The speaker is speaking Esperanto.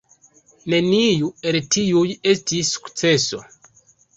Neniu el tiuj estis sukceso.